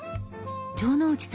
城之内さん